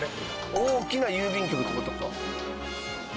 大きな郵便局って事か。